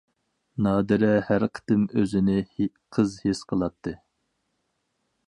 نادىرە ھەر قېتىم ئۆزىنى قىز ھېس قىلاتتى.